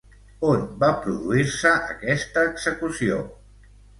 On va produir-se aquesta execució?